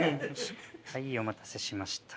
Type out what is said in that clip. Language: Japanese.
はいお待たせしました。